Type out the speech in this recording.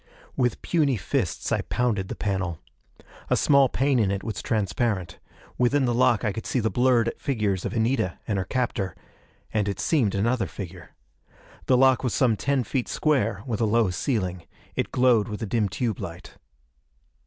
_ With puny fists I pounded the panel. A small pane in it was transparent. Within the lock I could see the blurred figures of Anita and her captor and, it seemed, another figure. The lock was some ten feet square, with a low ceiling. It glowed with a dim tube light.